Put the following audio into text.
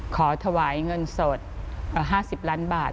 ขอถวายเงินสด๕๐ล้านบาท